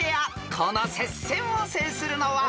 ［この接戦を制するのは］